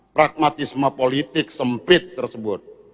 pragmatisme politik sempit tersebut